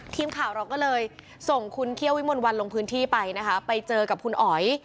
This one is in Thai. ทีมข่าวเราก็เลยส่งคุณเคี่ยววิมลวันลงพื้นที่ไปนะคะไปเจอกับคุณอ๋อย